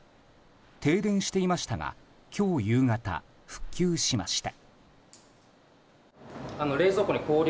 停電していましたが今日夕方、復旧しました。